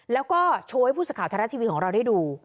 แล้วก็โชว์ให้ผู้สังข่าวทะเลาะทีวีของเราได้ดู